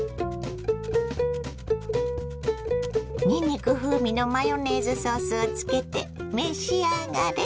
にんにく風味のマヨネーズソースをつけて召し上がれ。